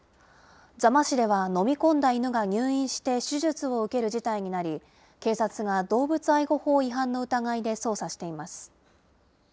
座間市では飲み込んだ犬が入院して手術を受ける事態になり、警察が動物愛護法違反の疑いで捜査しています。